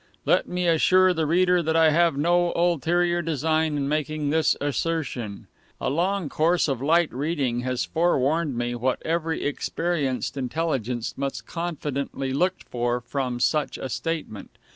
Let me assure the reader that I have no ulterior design in making this assertion. A long course of light reading has forewarned me what every experienced intelligence must confidently look for from such a statement.